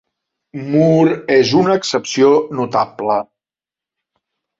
Moore és una excepció notable.